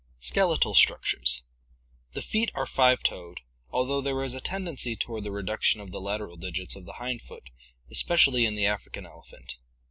Skeletal Structures.— The feet are five toed, although there is a tendency toward the reduction of the lateral digits of the hind foot, especially in the African elephant.